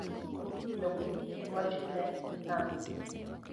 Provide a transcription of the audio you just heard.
Jogo wachone nango ?